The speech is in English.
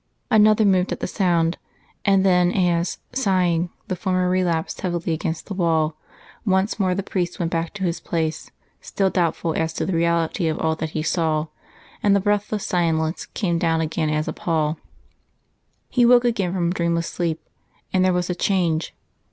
Another moved at the sound, and then as, sighing, the former relapsed heavily against the wall, once more the priest went back to his place, still doubtful as to the reality of all that he saw, and the breathless silence came down again as a pall. He woke again from dreamless sleep, and there was a change.